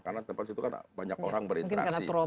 karena tempat itu kan banyak orang berinteraksi